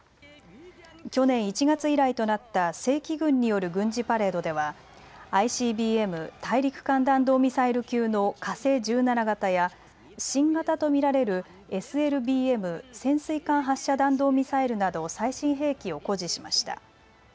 去年１月以来となった正規軍による軍事パレードではＩＣＢＭ・大陸間弾道ミサイル級の火星１７型や新型と見られるＳＬＢＭ・潜水艦発射弾道ミサイルなど最新兵器を誇示しました。